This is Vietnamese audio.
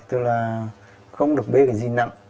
tức là không được bê cái gì nặng